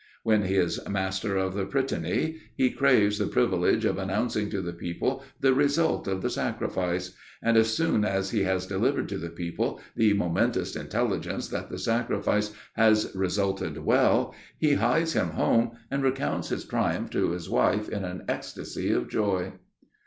When he is master of the prytany, he craves the privilege of announcing to the people the result of the sacrifice; and as soon as he has delivered to the people the momentous intelligence that the sacrifice has resulted well, he hies him home and recounts his triumph to his wife in an ecstasy of joy.